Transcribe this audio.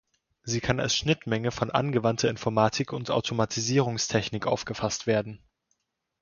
Sie kann als Schnittmenge von Angewandter Informatik und Automatisierungstechnik aufgefasst werden.